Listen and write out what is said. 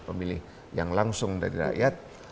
pemilih yang langsung dari rakyat